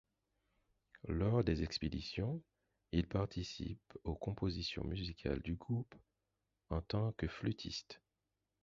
Lors des expéditions, il participe aux compositions musicales du groupe en tant que flûtiste.